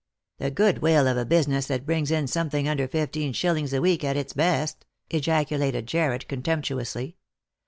" The good will of a business that brings in something under fifteen shillings a week at its best !" ejaculated Jarred contemp tuously.